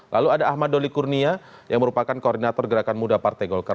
lalu ada ahmad doli kurnia yang merupakan koordinator gerakan muda partai golkar